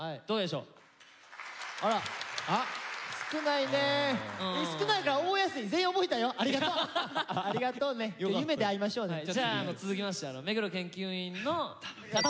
どうでしょう。